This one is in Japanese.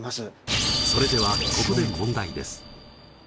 それではここで問題です。